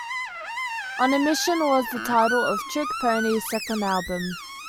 "On a Mission" was the title of Trick Pony's second album.